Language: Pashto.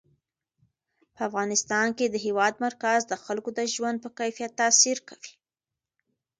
په افغانستان کې د هېواد مرکز د خلکو د ژوند په کیفیت تاثیر کوي.